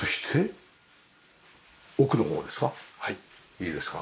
いいですか？